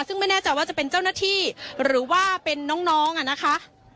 ซึ่งไม่แน่ใจว่าจะเป็นเจ้าหน้าที่หรือว่าเป็นน้องอ่ะนะคะ